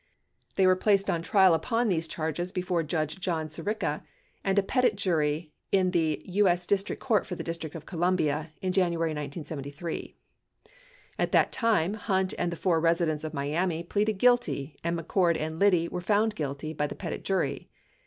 They were placed on trial upon these charges before Judge John Sirica, and a petit jury in the U.S. District Court for the District of Columbia in January 1973. At that time. Hunt and the four residents of Miami pleaded guilty, and McCord and Biddy were found guilty by the petit jury.